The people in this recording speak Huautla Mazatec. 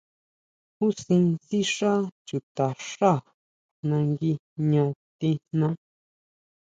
Jusin sixá chutaxá nangui jña tijnaa.